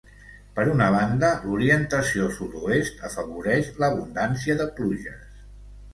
Per una banda, l'orientació sud-oest, afavoreix l'abundància de pluges.